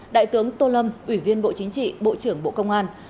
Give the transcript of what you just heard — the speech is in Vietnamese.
đại tướng tô lâm ủy viên bộ chính trị bộ trưởng bộ công an